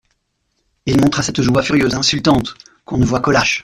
Il montra cette joie furieuse, insultante, qu'on ne voit qu'aux lâches.